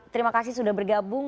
terima kasih sudah bergabung